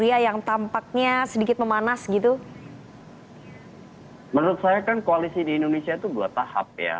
ya yang tampaknya sedikit memanas gitu menurut saya kan koalisi di indonesia itu dua tahap ya